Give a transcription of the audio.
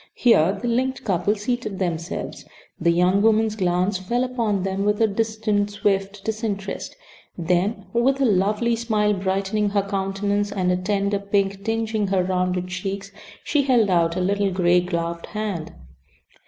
Here the linked couple seated themselves. The young woman's glance fell upon them with a distant, swift disinterest; then with a lovely smile brightening her countenance and a tender pink tingeing her rounded cheeks, she held out a little gray gloved hand.